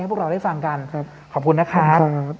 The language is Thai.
พวกเราได้ฟังกันขอบคุณนะครับ